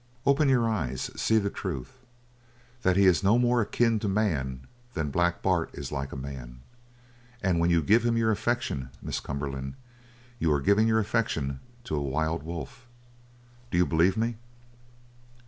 Open your eyes; see the truth: that he is no more akin to man than Black Bart is like a man. And when you give him your affection, Miss Cumberland, you are giving your affection to a wild wolf! Do you believe me?"